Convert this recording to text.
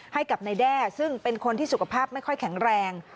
ให้กับนายแด้ซึ่งเป็นคนที่สุขภาพไม่ค่อยแข็งแรง